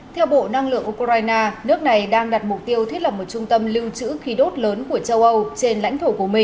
theo bộ năng lượng ukraine nước này đang đặt mục tiêu thiết lập một trung tâm lưu trữ khí đốt lớn của châu âu trên lãnh thổ của mỹ